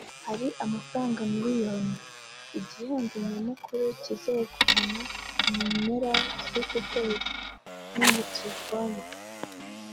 hari amafaranga million (igihembo nyamukuru kizegukanwa mu mpera z’uku kwezi) n'amatelephone